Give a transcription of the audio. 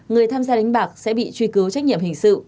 người tham gia đánh bạc sẽ bị truy cứu trách nhiệm hình sự